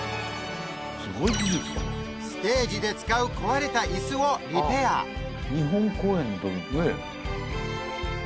ステージで使う壊れたイスをリペア日本公演の時の。ねぇ。